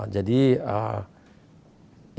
jadi ibu di situ meminta